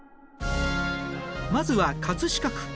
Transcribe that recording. まずは飾区。